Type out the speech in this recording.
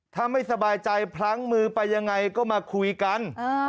ถ้าไม่สบายใจพลั้งมือไปยังไงก็มาคุยกัน